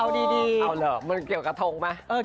เอาเหรอมันเกี่ยวกระทงมั้ย